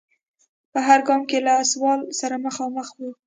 په هر ګام کې له سوال سره مخامخ و.